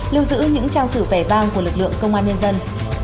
lưu giữ những trang sử vẻ vang của lực lượng công an nhân dân